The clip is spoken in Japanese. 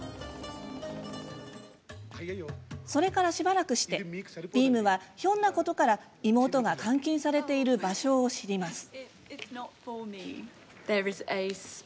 それからしばらくしてビームは、ひょんなことから妹が監禁されている場所を知ります。